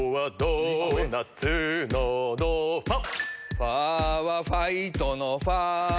ファはファイトのファ